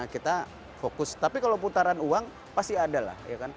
kita fokus tapi kalau putaran uang pasti ada lah